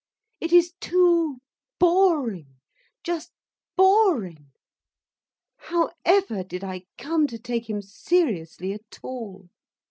It is too boring, just boring. However did I come to take him seriously at all!